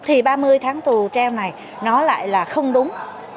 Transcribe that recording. thì ba mươi tháng tù treo này nó lại là không đúng